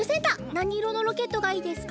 なにいろのロケットがいいですか？